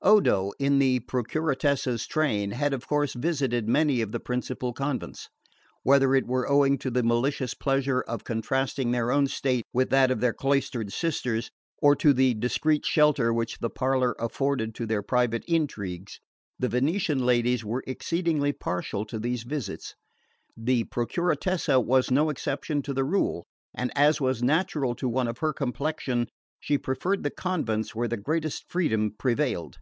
Odo, in the Procuratessa's train, had of course visited many of the principal convents. Whether it were owing to the malicious pleasure of contrasting their own state with that of their cloistered sisters, or to the discreet shelter which the parlour afforded to their private intrigues, the Venetian ladies were exceedingly partial to these visits. The Procuratessa was no exception to the rule, and as was natural to one of her complexion, she preferred the convents where the greatest freedom prevailed.